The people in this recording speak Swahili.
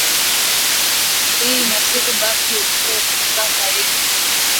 Iyi mashiku tuku na kuria baka bintu bia mu mashamba yetu